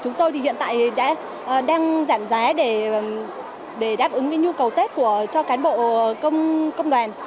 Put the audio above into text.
chúng tôi hiện tại đang giảm giá để đáp ứng nhu cầu tết cho cán bộ công đoàn